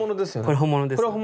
これ本物ですね。